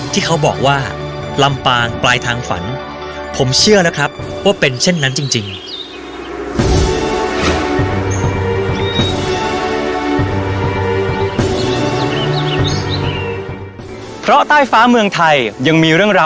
ที่เขาบอกว่าลำปางปลายทางฝันผมเชื่อนะครับว่าเป็นเช่นนั้นจริง